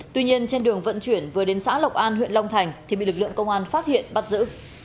tuy nhiên trên đường vận chuyển vừa đến xã lộc an huyện long thành thì bị lực lượng công an phát hiện bắt giữ